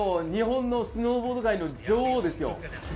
日本のスノーボード界の女王ですよ。